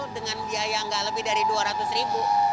dengan biaya nggak lebih dari dua ratus ribu